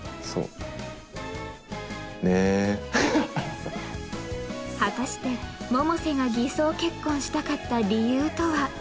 ハハッ果たして百瀬が偽装結婚したかった理由とは？